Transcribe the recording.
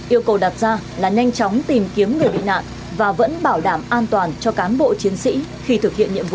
yêu cầu đặt ra là nhanh chóng tìm kiếm người bị nạn và vẫn bảo đảm an toàn cho cán bộ chiến sĩ khi thực hiện nhiệm vụ